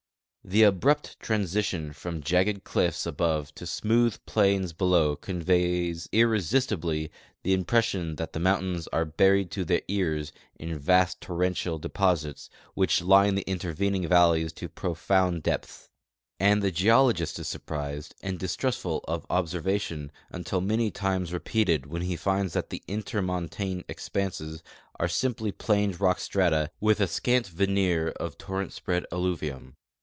The abrupt transition from jagged cliffs above to smooth ])lains below conveys irresistibly the impression that the mountains are buried to their ears in vast torrential deposits which line the intervening valleys to profound depths ; and the geologist is surprised and distrustful of observa tion until many times repeated when he finds that the intermon tane expanses are simi)ly ])laned rock strata with a scant veneer of torrent spread alluvium.